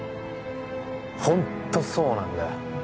ホントそうなんだよ